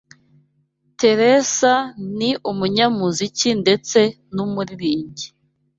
Teresa ni umunyamuziki ndetse n’ umuririmbyi